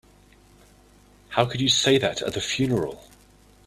How could you say that at the funeral?